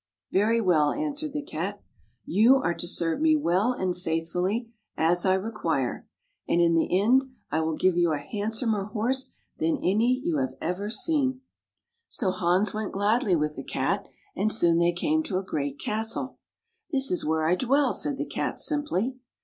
" Very well," answered the Cat. " You are to serve me well and faithfully, as I re quire, and in the end I will give you a hand somer horse than any you ever have seen." [ 91 ] FAVORITE FAIRY TALES RETOLD So Hans went gladly with the Cat, and Soon they came to a great castle. This is where I dwell," said the Cat simply.